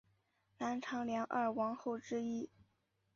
南朝梁二王后之一。